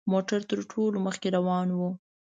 موږ تر ټولو مخکې روان وو.